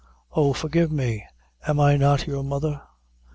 Oh! forgive me am I not your mother?"